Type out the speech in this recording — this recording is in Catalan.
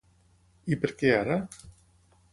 I per què ara?